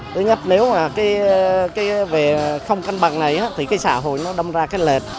tứ nhất nếu mà về không canh bằng này thì cái xã hội nó đâm ra cái lệch